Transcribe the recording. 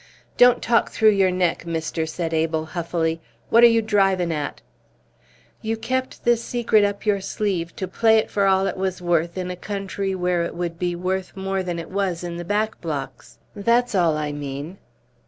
"Don't talk through your neck, mister," said Abel, huffily. "What are you drivin' at?" "You kept this secret up your sleeve to play it for all it was worth in a country where it would be worth more than it was in the back blocks? That's all I mean."